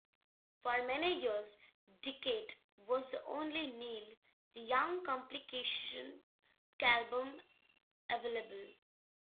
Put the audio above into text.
For many years, "Decade" was the only Neil Young compilation album available.